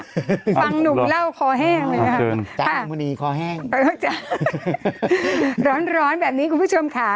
ฮะฮ่าเอ็กเบางนีเคาะแห้งไอ้ผู้ชอบร้อนแบบนี้คุณผู้ชมค่ะ